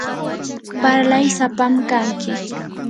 parlay sapam kanki.